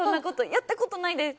やったことないです。